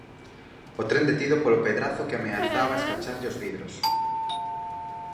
O tren detido polo pedrazo que ameazaba escacharlle os vidros.